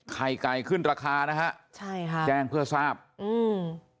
ไข่ไก่ขึ้นราคานะฮะใช่ค่ะแจ้งเพื่อทราบอืม